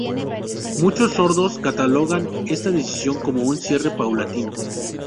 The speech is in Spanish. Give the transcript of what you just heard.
Muchos sordos catalogan esta decisión como un cierre paulatino.